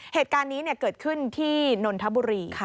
เหตุการณ์นี้เกิดขึ้นที่นนทบุรีค่ะ